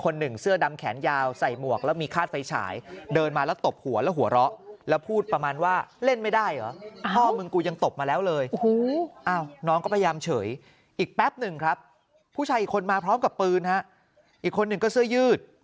เฉยอีกแป๊บนึงครับผู้ชายอีกคนมาพร้อมกับปืนอีกคนหนึ่งก็เสื้อยืด